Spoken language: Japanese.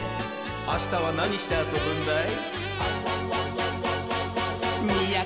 あしたはなにしてあそぶんだい？